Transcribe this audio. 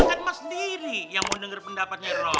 yang doang kan mas sendiri yang mau denger pendapatnya rob